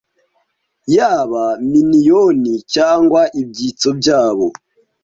yaba miniyoni cyangwa ibyitso byabo